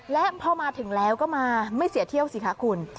และพอมาถึงแล้วก็มาไม่เสียเที่ยวสิคะคุณ